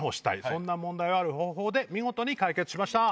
そんな問題をある方法で見事に解決しました。